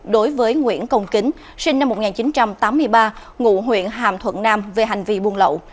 đối với nguyễn công kính sinh năm một nghìn chín trăm tám mươi ba ngụ huyện hàm thuận nam về hành vi buôn lậu